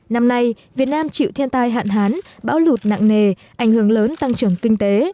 năm nay việt nam chịu thiên tai hạn hán bão lụt nặng nề ảnh hưởng lớn tăng trưởng kinh tế